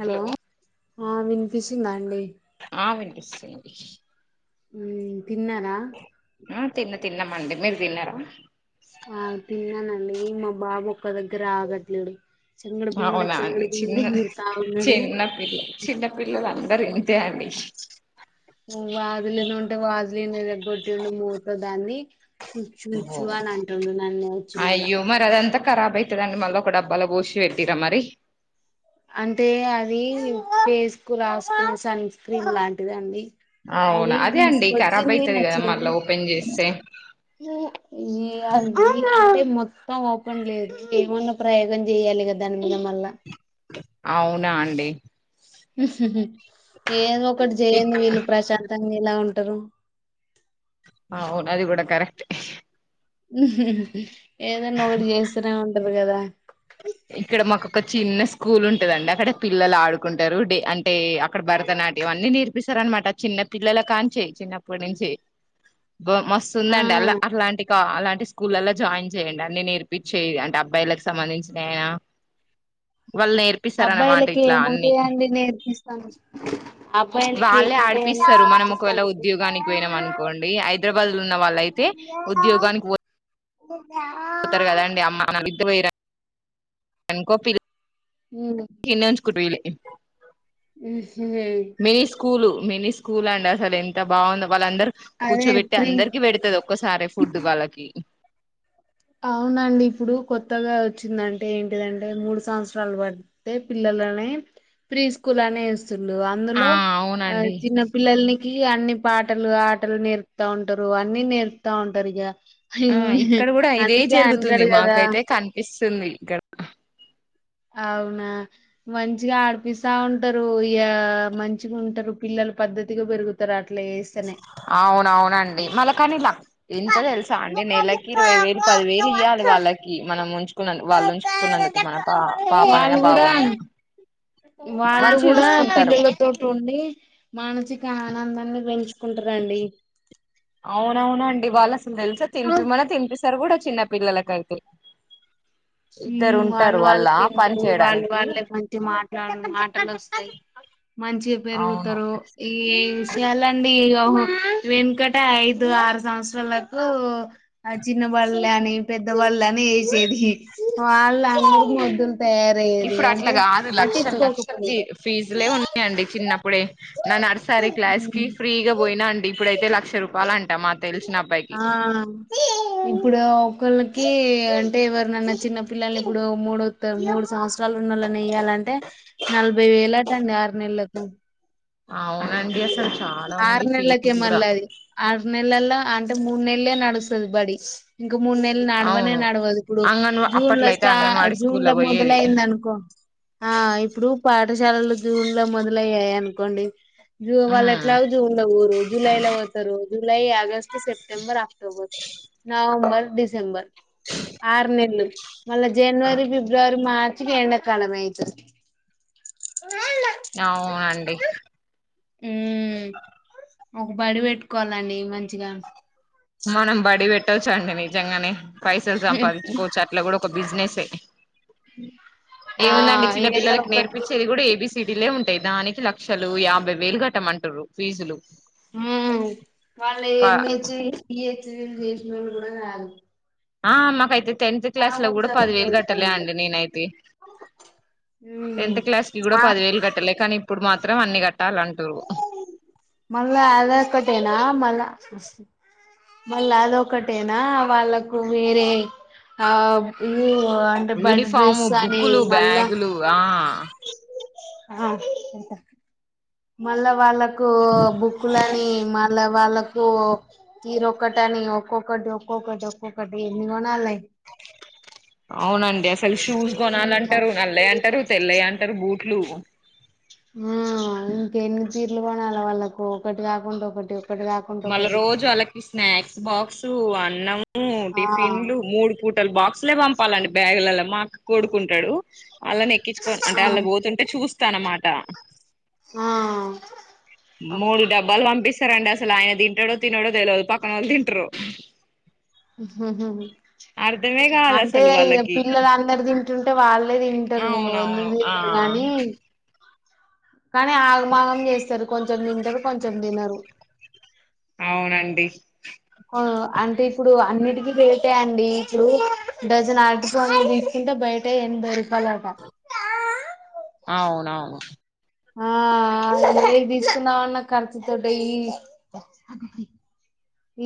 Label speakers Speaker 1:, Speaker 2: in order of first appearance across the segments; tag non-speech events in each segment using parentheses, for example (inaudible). Speaker 1: Hello ఆ వినిపిస్ తిన్నాండి
Speaker 2: ఆ వినిపిస్ వినిపిస్
Speaker 1: హూమ్ తిన్నారా
Speaker 2: ఆ తిన్నద్ తిన్నామండి మీరు తిన్నారా
Speaker 1: ఆ తిన్నానండి మా బాబు ఒక్క దగ్గర ఆగట్లేడు చెంగడు బింగడ
Speaker 2: అవునా అండి
Speaker 1: చెంగడు బింగడ
Speaker 2: చిన్న
Speaker 1: ఎగురుతా ఉన్నాడు
Speaker 2: చిన్నపిల్ల చిన్నపిల్లలు అన్న సరె ఇంతే అండి
Speaker 1: వాజులేని ఉంటే, వాజులేని ఈరగొట్టిండు మూతా దాన్ని చ్చు ఇచ్చు ఇచ్చు అని అంటుండు నన్నే వచ్చి మళ్ళా
Speaker 2: అయ్యో మరి అదంతా ఖరాబ్ అయితుందండి. మళ్ళీ ఒక డబ్బాలో పోసి పెట్టి రా మరి
Speaker 1: అంటే అది ఫేస్కు రాసుకుని సన్ స్క్రీన్ లాంటిదండి.
Speaker 2: అవునా
Speaker 1: అది
Speaker 2: అదే అండి ఖరాబ్
Speaker 1: తీసుకొచ్చింది,
Speaker 2: అయితది
Speaker 1: మా
Speaker 2: కదా
Speaker 1: చెల్లె
Speaker 2: మళ్ళా ఓపెన్ చేస్తే
Speaker 1: ఆ మొత్తం ఓపెన్ లేదు. ఏమన్నా ప్రయోగం చేయాలి కదా. దాని మీద మళ్ళా
Speaker 2: అవునా అండి
Speaker 1: ఉఓహో ఏదో ఒకటి
Speaker 2: ఇక్
Speaker 1: చేయంది. వీళ్ళు ప్రశాంత్ ఎలా ఉంటారు.
Speaker 2: అవును అది కూడా కరెక్ట్
Speaker 1: ఉఓహో ఏదైనా ఒకటి చేస్తేనే ఉంటారు. ఉ గదా
Speaker 2: ఇక్కడ మాకు ఒక చిన్న స్కూల్ ఉం ద అండి అక్కడ పిల్లలు ఆడు కుంటారు డే అంటే అక్కడ భరతనాట్యం అన్ని నేర్పి విసరరామాట చిన్నపిల్లల కాంచె చిన్నప్పటినుంచి
Speaker 1: ఆ
Speaker 2: మస్తుందండి, అళ్ళ అట్లాంటి కా అలాంటి స్కూలల్లో జాయిన్ చేయండి అన్నీ నేర్పించేయి అంటే అబ్బాయిలకు సంబంధించి నేనా
Speaker 1: అబ్బాయిలకి ఏముంటయీ అండి నేర్పి ఇస్తాను
Speaker 2: వాళ్ళే ఆడిపిస్తారు. మనం ఒకవేళ ఉద్యోగానికి పోయినాం అనుకోండి, హైదరాబాద్ లో ఉన్న వాళ్ళయితే ఉద్యోగానికి పో పోతారు కదండి అమ్మా నాన్న ఇద్దురు పోయిరా ఎంకో పిల్ ఈన్నే ఉంచుకుంట విన్నీ
Speaker 1: హ్మ్ హు
Speaker 2: కూలు మినీ స్కూల్ అండి అసలు ఎంత బాగుంద వాళ్ళందరు
Speaker 1: అదే
Speaker 2: కూర్చోబెట్టి
Speaker 1: ప్రీ
Speaker 2: అందరికి పెడతది ఒకసారే ఫుడ్ వాళ్ళకి
Speaker 1: అవునండి ఇప్పుడు కొత్తగా వచ్చిందంటే ఏంటిదంటే మూడు సంవత్సరాలు పడితే పిల్లలని ప్రీ స్కూల్ అనే వ అసలు
Speaker 2: ఆ
Speaker 1: అందులో ఆ
Speaker 2: అవునండి
Speaker 1: చిన్న పిల్లల్ని ఈ అన్ని పాటలు ఆటలు నేర్పుతా ఉంటారు అన్ని నేర్పుతా ఉంటారు ఇగ
Speaker 2: ఆ ఇక్కడ కూడా ఇదే
Speaker 1: అందుకే
Speaker 2: జరుగుతుంది
Speaker 1: అంటాడు కదా
Speaker 2: మాకైతే కనిపిస్తుంది ఇక్కడ
Speaker 1: అవునా మంచిగా ఆడిపిస్తా ఉంటారు ఇ మంచిగా ఉంటారు పిల్లలు పద్ధతిగా పెరుగుతారు అట్లా చేస్తేనే
Speaker 2: అవునవునండి మళ్ళ కాని ఇ ఇంత తెలుసా అండి నెలకి ఇరవై వేలు పదివేలు ఇయ్వాలి వాళ్ళకి మనం ముంచ చకుం వాళ్ళు ఉంచుకున్నందు మన పా పాపనైనా
Speaker 1: వాళ్ళు కూడా
Speaker 2: బాబునైనా
Speaker 1: వాళ్ళు
Speaker 2: మంచి
Speaker 1: కూడా
Speaker 2: చూసుకుంటారు
Speaker 1: పిల్లలతోటి ఉండి మానసిక నందాన్ని పెంచు కుంటారండి
Speaker 2: అవునవునండి వాళ్ళ తెలుసా తినిపిమన్న తిపి సర్ కూడా చిన్న పిల్లలకైతే ఇద్దరు
Speaker 1: హ్మ్ వాళ్ళ
Speaker 2: ఉంటారు
Speaker 1: వాళ్ళ
Speaker 2: పని
Speaker 1: తింటరు వాళ్ళు
Speaker 2: చేయడానికి
Speaker 1: వాళ్ళే మంచి మాట్లాడ మాటలు వస్తాయి మంచిగా
Speaker 2: అవును
Speaker 1: పెరుగుతారు ఏ విషయాలండి ఏ వెనుకట ఐదు ఆరు సంవత్సరాలకు చిన్న వాళ్ళ అని పెద్దవాళ్ళుని వేసేది వాళ్ళ
Speaker 2: ఇప్పుడు అట్లాగాదు లక్షల లక్షల
Speaker 1: పట్టించుకోకపోయేది
Speaker 2: ఫీజులే ఉన్నాయండి చిన్నప్పుడే నా నర్సరీ క్లాస్ కి
Speaker 1: ఉమ్.
Speaker 2: ఫ్రీగా పోయినా అండి ఇప్పుడయితే లక్ష రూపాయ అంటే
Speaker 1: ఆ ఇప్పుడు ఒకళ్ళ కీ అంటే ఎవరినన్న చిన్న పిల్లల్ని ఇప్పుడు మూడు తర్ మూడు సంవత్సరాలు ఉన్నళ్ళని వేయ్యాలంటే నలభై వేలట అండి ఆరు నెల్లకు
Speaker 2: అవునండి అసలు చాలా
Speaker 1: ఆరు
Speaker 2: ఉంది
Speaker 1: నెల్లకే
Speaker 2: ఫీజు కూడా
Speaker 1: మళ్లది ఆరు నెలలా అంటే మూడు నెల్లే నడుస్తాది బడి ఇంకో మూడు నెల్లు నడవనే
Speaker 2: అవును
Speaker 1: నడవదు ఇప్పుడు
Speaker 2: అంగన్వా
Speaker 1: జూన్ లో
Speaker 2: అప్పట్లో అయితే
Speaker 1: స్టా
Speaker 2: అంగన్వాడీ
Speaker 1: జూన్
Speaker 2: స్కూల్లో
Speaker 1: లో
Speaker 2: పోయేది
Speaker 1: మొదలయింది అనుకో ఆ ఇప్పుడు పా పాఠశాలలు జూన్ లో మొదలయ్యాయి అనుకోండి జూ వాళ్ళ
Speaker 2: ఉమ్
Speaker 1: ఎట్లాగో జూన్లో పోరు జూలై లో పోతారు. July August September October November December ఆరునెల్లు మల్ల జనవరి ఫిబ్రవరి మార్ ఎండా కాలమైతది
Speaker 2: అవునండి
Speaker 1: ఉహ్ ఒక బడి పెట్టుకోవాలండి మంచిగా
Speaker 2: మనం బడి పెట్ పెట్టచండి నిజంగానే పైసలు
Speaker 1: హు
Speaker 2: సంపాదించుకోవచ్చు అట్లా కూడా బతా బిజినెస్ యే
Speaker 1: ఆ
Speaker 2: ఏముందండి చిన్న
Speaker 1: ఏదో
Speaker 2: పిల్లలకి
Speaker 1: ఒకటి
Speaker 2: నేర్పించేది కూడా ఏబీసి సిటీలో యేముంటయ్ దానికి లక్షలు యాబై వేలు కట్టమంటుర్రు ఫీజులు
Speaker 1: ఆహ్ వాళ్ళు
Speaker 2: ప
Speaker 1: ఏం ఇచ్చి ఫీజు రీయింబర్స్‌మెంట్ కుడా రాదు
Speaker 2: ఆ మాకైతే టెన్త్ క్లాస్ లో కూడా
Speaker 1: చదువు
Speaker 2: పదివేలు కట్టలే
Speaker 1: చదువుకున్నోళ్ళు
Speaker 2: అండి నేనైతే టెన్త్ క్లాస్ కి కూడా
Speaker 1: మా
Speaker 2: పదివేలు కట్టలే కానీ ఇప్పుడు మాత్ త్రం అన్ని కట్టాలంటుర్రు
Speaker 1: మళ్ళ అదొకటేనా మళ్ళ మళ్ళ అదొకటేనా వాళ్ళకు వేరే ఆహ్
Speaker 2: యూనిఫామ్ము బుక్కులు
Speaker 1: మళ్ళా
Speaker 2: బ్యాగులు ఆ
Speaker 1: ఆ ఉంటా మల్ల వాళ్ళ వాళ్లకు బుక్కులని మళ్ళ వాళ్ళ వాళ్లకు తీరొక్కటని ఒక్కొక్కటి ఒక్కొకటి ఒక్కొక్కటి ఎన్ని కొనాలి
Speaker 2: అవునండి అసలు షూస్
Speaker 1: ఇంకా
Speaker 2: కొనాలంటరు నల్లయ్ అంటరు తెల్లయ్ అం అంటరు బూట్లు
Speaker 1: ఆ ఇంకెన్ని చీరలు కొనాలి వాళ్ళకు ఒకటి కాకుండా ఒకటి ఒకటి కాకుండా
Speaker 2: మళ్ళ
Speaker 1: ఒకటి
Speaker 2: రోజు వాళ్ళకి స్నాక్స్ బాక్స్ సు అన్నం ఉమ్
Speaker 1: ఆ
Speaker 2: టిఫిన్లు మూడు పూటలు బాక్సులే పంపాలండి బ్యాగులల్ల మా అక్క కొడుకు ఉంటాడు. వాళ్ళని ఎక్కించుకోని పోతుంటే అంటే వాళ్ళు పోతుంటే చూస్తాట అన్నమాట
Speaker 1: ఆ ఆ
Speaker 2: మూడు డబ్బాలు పంపిస్ సగం డ్రెస్ అసలు ఆయన తింటాడో తినడో తెలియదు పక్కన వాళ్ళు తింటారో
Speaker 1: హహహ
Speaker 2: కాదు
Speaker 1: అంటే
Speaker 2: అసలు వాళ్ళకి
Speaker 1: పిల్లలు అందరు తింటుంటే వాళ్ళే తింటారు ఎందరు
Speaker 2: అవునవును ఆ
Speaker 1: తినరు గానీ కానీ ఆగమాగం చేస్తారు కొంచెం తింటారు కొంచెం తినరు
Speaker 2: అవునండి
Speaker 1: ఆ అంటే ఇప్పుడు అన్నిటికిీ రేటే అండి ఇప్పుడు డజన్ అరటి పండ్లు తీసుకుంటే బయట ఎనభై రూపాయలు అట
Speaker 2: అవునవును
Speaker 1: ఆ అ ఏమి తీసుకుందాం అన్న ఖర్చుతోటే ఈ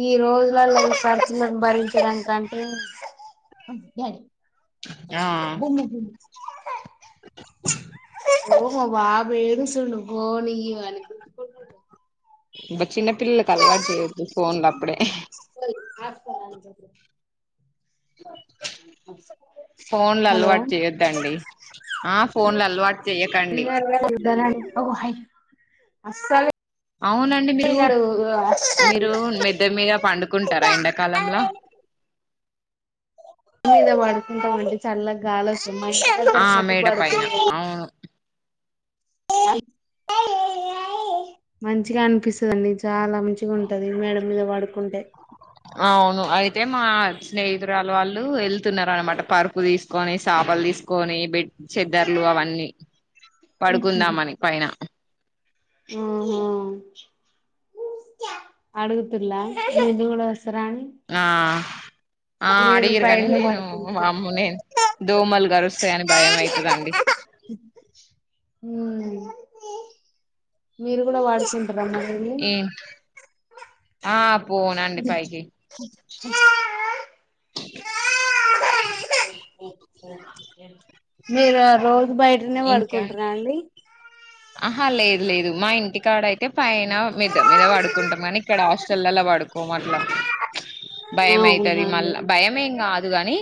Speaker 1: ఈ రోజులలో ఖర్చులను భరించడం కంటే
Speaker 2: ఆ
Speaker 1: బొమ్మ బొమ్మ పో బాబు ఏడుస్తున్నాడు ఫోన్ ఈయమని
Speaker 2: ఇంకా చిన్న పిల్లలలకు అలవాటు చేయొద్దు ఫోన్లప్పుడే
Speaker 1: హాట్స్పాట్ ఆన్ చేయమని చెప్పు
Speaker 2: ఫోన్లు
Speaker 1: హలో
Speaker 2: అలవాటు చేయొద్దండి ఆ ఫోన్లు అలవాటు జేయకండి
Speaker 1: అస్సలె
Speaker 2: అవునండి మీరు మీరు మిద్ద మీద పండుకుంటారా ఎండాకాలంలో
Speaker 1: మీద పడుకుంటాం అండి చల్లగా గాలో సుమర
Speaker 2: ఆ
Speaker 1: సపు
Speaker 2: మేడ
Speaker 1: పాడుతు
Speaker 2: పైన అవును
Speaker 1: మంచిగనిపిస్తు స్తుదండి చాలా మంచిగా ఉంటది మేడ మీద పడుకుంటే.
Speaker 2: అవును అయితే మా స్నేహితురాలు వాళ్ళు వెళ్తున్నారునమాట పరుపు తీసుకొని సాపలు తీసుకొని బెడ్ చద్దర్లు అవన్నీ పడుకుందామని పైన
Speaker 1: అడుగుతుల్ల హందు కూడా వస్తారని
Speaker 2: ఆ.. ఆ అడిగిరు కానీ
Speaker 1: పైనే
Speaker 2: నేను
Speaker 1: పడుకుంటున్నా
Speaker 2: వామ్మో నేను దోమలు గరుస్తాయని భయం అయితదండి
Speaker 1: మ్మ్ మీరు కూడా వాడిచండి రమ్మని
Speaker 2: ఆప్
Speaker 1: అది నా హహహ... మీరు రోజు బయటనే
Speaker 2: ఇంకా
Speaker 1: పడుకుంటార అండి
Speaker 2: ఆహా లేదు లేదు మా ఇంటి కాడైతే పైన మిద్ద మీద పడుకుంటాం కానీ ఇక్కడ హాస్టల్లల్లా పడుకోం అట్లా భయం ఐతది
Speaker 1: అవునా
Speaker 2: మళ్ళ
Speaker 1: అండి
Speaker 2: భయం ఏం కాదు దు గాని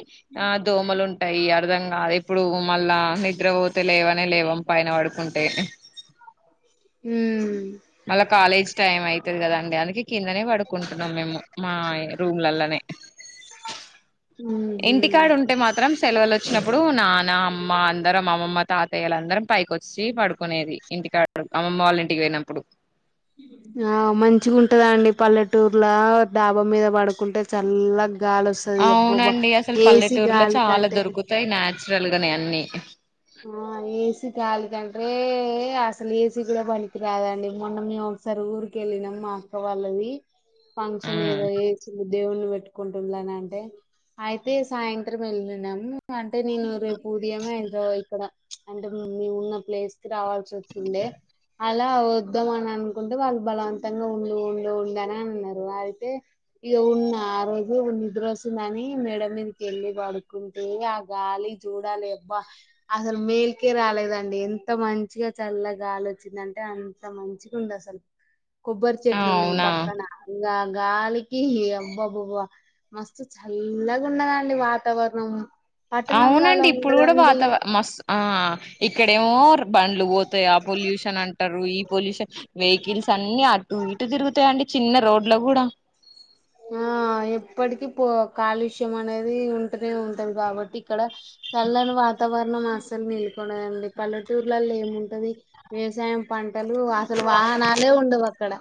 Speaker 2: ఆ దోమలుంటాయి అర్ధం ఆ ఇప్పుడు మళ్ళా నిద్రవోతేలేవను మేం లేవం పైన పడుకుం ఎహె మల్ల కాలేజ్ టైం అయితది కదా అండి అందుకే కిందనే పడుకుంటున్నాం మేము మా రూమ్లల్లనే ఇంటి కాడుంటే మాత్రం సెలవలు వచ్చినప్పుడు నాన్న అమ్మ అందరం అమ్మమ్మ తాతయ్యలందరం పైకి వచ్చి పడుకు కునేది ఇంటికాడ అమ్ అమ్మ వాళ్ళ ఇంటికి వోయినప్పుడు
Speaker 1: ఆ మంచిగుంటదా అండి పల్లెటూరు ఇట్లా డాబా మీద పడుకుంటే చల్ల గాలి వస్తది అబ్బబ్బా
Speaker 2: అవునండి అసలు
Speaker 1: ఏసీ
Speaker 2: పల్లెటూరులో
Speaker 1: గాలి
Speaker 2: చాలా
Speaker 1: కంటే
Speaker 2: దొరుకుతాయ్ కా రలుగానే అన్నీ
Speaker 1: ఆ ఏసి కాద్ క ఏ అసలు ఏసీ కూడ పనికి రాదండి మొన్న మేము ఒకసారి ఊరికెళ్ళినం మా అక్క వాళ్ళది ఫంక్షన్ ఏదో ఏజ్ దేవుని పెట్టుకుంటుంద్లె నంటే అయితే సాయంత్రం వెళ్లినాం అంటే నేను రేపు ఉదయమే ఎంతో ఇక్కడ ప్చ్ అంటే మేము ఉన్న ప్లేస్ కి రావాల్సి వచ్చిండే అలా వద్దాం అని అనుకుంటే వాళ్ళు బలవంతంగా ఉండు ఉండు అన్ అన్నరు అయితే ఇగ ఉన్న ఆ రోజు నిద్ర వస్తుందని మేడ మీదకి వెళ్ళి పడుకుంటే ఆ గాలి చూడాలి అబ్బా అసలు మేల్కే రాలేదండి ఎంత మంచిగా చల్ల గాలి వచ్చిందంటే అంత మంచిగా ఉంది అసలు కొబ్బరి చెట్లు ఉన్నాయి
Speaker 2: అవునా
Speaker 1: పక్కన ఇగ గాలి ఈ అబ్బబబ్బా మస్తు చల్లగున్నదండి వాతవరణం
Speaker 2: అవునండి ఇప్పుడు కూడా వాతవర మస్త్ ఆ ఇక్కడేమో బండ్లు పోతాయి ఆ పొల్యూషన్ అంటారు ఈ పొల్యూషన్ వెహికిల్స్ అన్ని ఇటు తిరుగుతాయండి చిన్న రోడ్ లో కూడ
Speaker 1: ఆ ఎప్పటికి పో కాలుష్యం అనేది ఉంటనే ఉంటది కాబట్టి ఇక్కడ చల్లని వాతావరణం అస్సలు నీలుకదండి పల్లెటూరులలో ఏముంటది వ్యవసాయం పంట అసలు వాహనాలే ఉండవు అక్కడ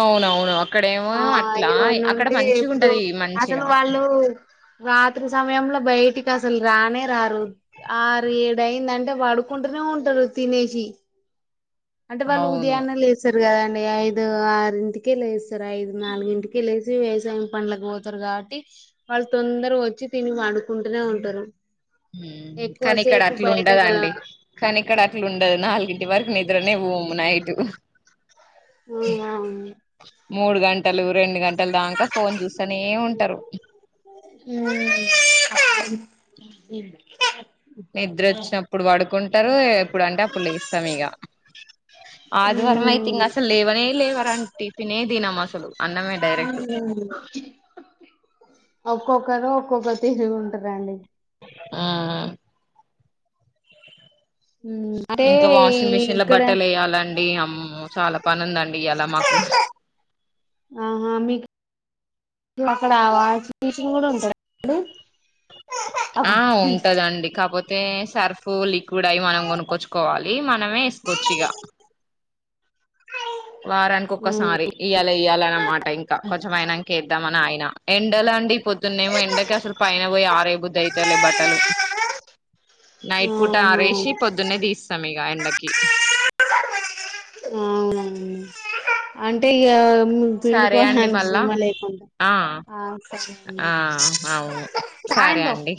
Speaker 2: అవునవును అ అక్కడేమో
Speaker 1: ఆ
Speaker 2: అట్లా
Speaker 1: ఏమన్నా
Speaker 2: అక్కడ
Speaker 1: ఉంటే
Speaker 2: మంచి
Speaker 1: ఇప్పుడు
Speaker 2: ఉంటది
Speaker 1: అసలు
Speaker 2: మంచిగా
Speaker 1: వాళ్ళు రాత్రి సమయంలో బయటికి అసలు రానే రారు ఆరు ఎదయ్యిందటే పడుకుంటూనే ఉంటారు తినేసి అంటే వాళ్ళు
Speaker 2: అవును
Speaker 1: ఉదయాన్నే లేసర్ కదండి ఐదు ఆరుంటికే లేస్తారు ఐదు నాలుగుంటికే లేచి వ్యవసాయం పండ్లకు పోతారు కాబట్టి వాళ్ళు తొందరగా వచ్చి తిని పడుకుంటనే ఉంటారు
Speaker 2: హుమ్ కానీ ఇక్కడ
Speaker 1: ఎక్కువసేపు
Speaker 2: అట్లు
Speaker 1: బయటగా
Speaker 2: ఉండదండీ కానీ ఇక్కడ అట్లుండదు నాలుగింటి వరకు నిద్రనే పోమ్ నైట్
Speaker 1: అవును
Speaker 2: మూడు గంటలు రెండు గంట పొందక ఫోన్ చూస్తానే ఉ తరు
Speaker 1: (inaudible)
Speaker 2: నిద్రోచ్చినప్పుడు వాడు కుంటారు ఎప్పుడు అంటే అప్పుడు లేస్తాం ఇగ ఆదివారం అయితే
Speaker 1: ఉమ్.
Speaker 2: ఇంకా అసలు లేవనే లేవర్ అంటి టిఫినే తినం అసలు అన్నమే డైరెక్ట్
Speaker 1: ఉమ్. ఒక్కొక్కరు ఒక్కొక్కరు తిరుగు ఉంటారంండి
Speaker 2: ఆ
Speaker 1: ఉమ్. అంటే
Speaker 2: ఇంకా
Speaker 1: ఈ
Speaker 2: వాషింగ్ మిషిన్ లో
Speaker 1: ఇక్కడ
Speaker 2: బట్టలు వేయాలండి అమ్ చాలా పనుందండి ఇయాల మాకు
Speaker 1: ఆహా మీకు అక్కడ ఆ వాషింగ్ మెషీన్ కూడా ఉంటదా అండి
Speaker 2: ఆ ఉంటదండి కాకపోత్ పోతే సర్ఫ్ లిక్విడ్ అవి మనం కొనుక్కొచ్చుకోవాలి మనమే వేసుకోవచ్చు ఇక వారానికి
Speaker 1: ఆహా
Speaker 2: ఒక్కసారి ఇయ్యాల ఎయ్యాల అన్నమాట ఇంకా కొంచెం ఐనాక వేద్దం అని ఆగినా ఎండ లండి పొద్దు ద్దున్న ఏమో ఎండకి అసలు పైన పోయి అరవేయ బుద్ది అయితలే బట్ల్ తను నైట్ పూట ఆరేసి పొద్దున్నే తీస్తాం ఇక డకి
Speaker 1: అవునా అంటే ఇగా
Speaker 2: సరే అండి
Speaker 1: పిండుకోడానికి మస్త్
Speaker 2: మళ్ళా
Speaker 1: ఇబ్బంది ఐతుంది ఆ సరే
Speaker 2: ఆ
Speaker 1: అండి
Speaker 2: అవును సరే
Speaker 1: కాయందో
Speaker 2: అండి